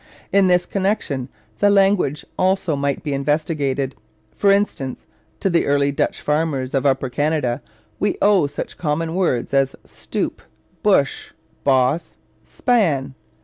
In this connection the language also might be investigated. For instance, to the early Dutch farmers of Upper Canada we owe such common words as 'stoop,' 'bush,' 'boss,' 'span.'